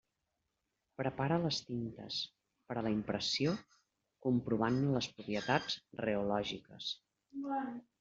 Prepara les tintes per a la impressió, comprovant-ne les propietats reològiques.